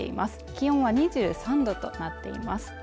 気温は２３℃となっています。